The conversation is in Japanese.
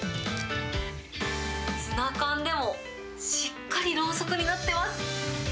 ツナ缶でもしっかりろうそくになってます。